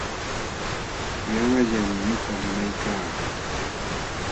Yanqallam nuqa limaykaa.